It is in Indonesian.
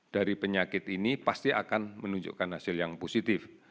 dari penyakit ini pasti akan menunjukkan hasil yang positif